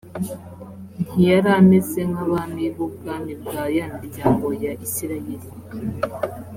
ntiyari ameze nk’abami b’ubwami bwa ya miryango ya isirayeli